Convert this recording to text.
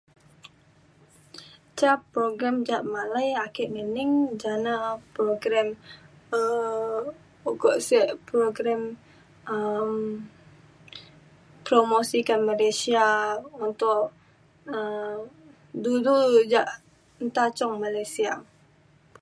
ca program ja ake malai ngening ja na program um ukok sek program um promosikan Malaysia untuk um du du ja nta cung Malaysia.